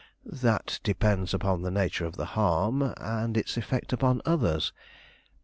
"That depends upon the nature of the harm and its effect upon others.